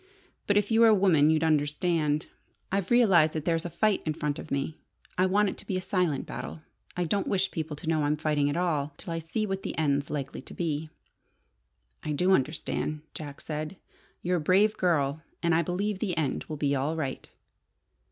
But if you were a woman you'd understand. I've realized that there's a fight in front of me. I want it to be a silent battle. I don't wish people to know I'm fighting at all till I see what the end's likely to be." "I do understand," Jack said. "You're a brave girl, and I believe the end will be all right."